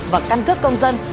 và căn cứ công dân